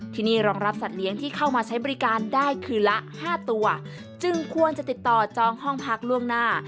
ที่นี่รองรับสัตว์เลี้ยงที่เข้ามาใช้บริการได้คืนละห้าตัวจึงควรจะติดต่อจองห้องพักล่วงหน้า